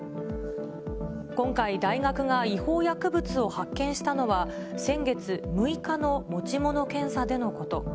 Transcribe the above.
今回、大学が違法薬物を発見したのは、先月６日の持ち物検査でのこと。